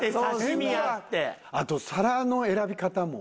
あと皿の選び方も。